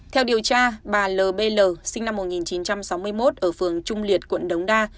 theo điều tra bà l sinh năm một nghìn chín trăm sáu mươi một ở phường trung liệt quận đống đa